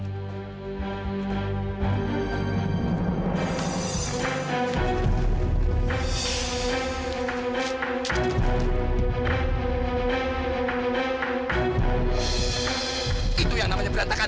begini saja dibilang berantakan